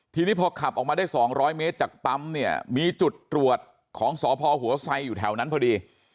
ทีนี้พอขับออกมาได้๒๐๐เมตรจากปั๊มเนี่ยมีจุดตรวจของสพหัวไซอยู่แถวนั้นพอดี